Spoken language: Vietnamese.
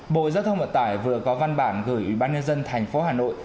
bộ giao thông vận tải vừa có văn bản gửi ủy ban nhân dân thành phố hà nội